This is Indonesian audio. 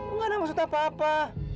enggak ada maksud apa apa